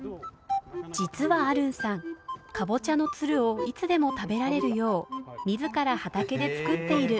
実はアルンさんカボチャのツルをいつでも食べられるよう自ら畑で作っている。